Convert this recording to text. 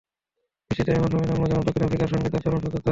বৃষ্টিটা এমন সময় নামল যেন দক্ষিণ আফ্রিকার সঙ্গে তার চরম শত্রুতা।